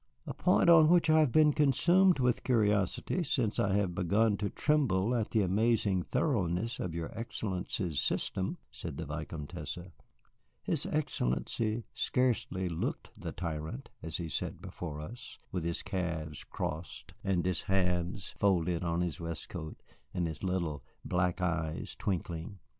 "A point on which I have been consumed with curiosity since I have begun to tremble at the amazing thoroughness of your Excellency's system," said the Vicomtesse. His Excellency scarcely looked the tyrant as he sat before us, with his calves crossed and his hands folded on his waistcoat and his little black eyes twinkling.